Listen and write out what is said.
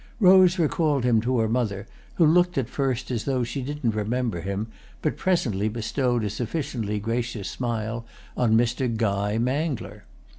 Rose recalled him to her mother, who looked at first as though she didn't remember him but presently bestowed a sufficiently gracious smile on Mr. Guy Mangler.